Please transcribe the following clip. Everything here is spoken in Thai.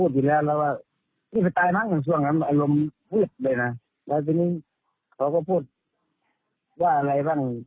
ที่หาตังค์ไม่ได้เรื่องจากเตี๊ดเคียดไว้